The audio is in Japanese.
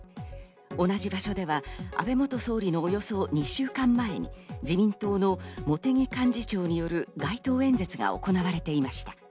同じ場所では安倍元総理のおよそ２週間前に自民党の茂木幹事長による街頭演説が行われていました。